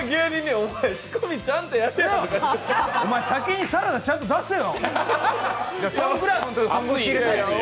おまえ先にサラダちゃんと出せよ！